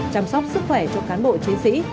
chăm sóc sức khỏe cho cán bộ chiến sĩ